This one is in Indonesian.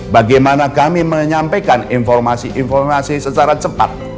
bagaimana kami menyampaikan informasi informasi secara cepat